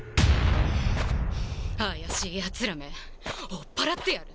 あやしいやつらめおっぱらってやる。